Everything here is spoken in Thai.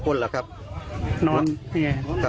พ่ออยู่หรือเปล่า